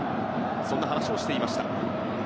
そんな話をしていました。